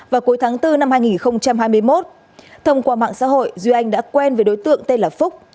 vào cuối tháng bốn năm hai nghìn hai mươi một thông qua mạng xã hội duy anh đã quen với đối tượng tên là phúc